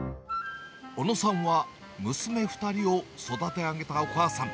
小野さんは、娘２人を育て上げたお母さん。